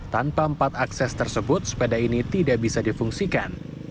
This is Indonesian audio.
tanpa empat akses tersebut sepeda ini tidak bisa difungsikan